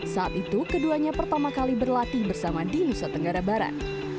saat itu keduanya pertama kali berlatih bersama di nusa tenggara barat